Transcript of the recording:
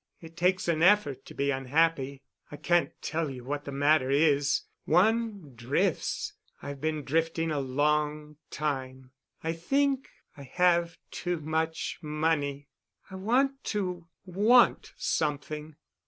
It takes an effort to be unhappy. I can't tell you what the matter is. One drifts. I've been drifting a long time. I think I have too much money. I want to want something."